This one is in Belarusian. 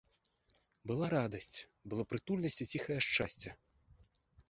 Была радасць, была прытульнасць і ціхае шчасце.